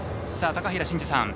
高平慎士さん